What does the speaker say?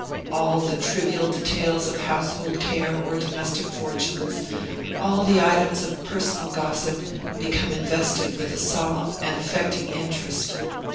All the trivial details of household care or domestic fortunes, all the items of personal gossip, become invested with a solemn and affecting interest.